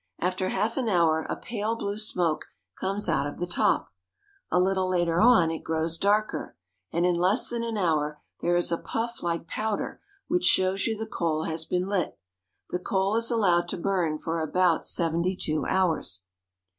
After half an hour a pale blue smoke comes out of the top ; a little later on it grows darker ; and in less than an hour there is a puff like powder, which shows you the coal has been lit. The coal is allowed to burn for about seventy two hours.